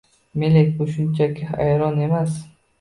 Melek - bu shunchaki ayron emas!